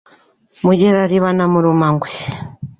Mugerariba na Murumankagwe